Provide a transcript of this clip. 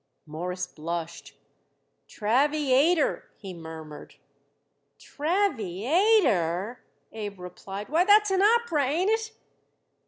Morris blushed. "Travvy ayter," he murmured. "Travvy ayter!" Abe replied. "Why, that's an opera, ain't it?"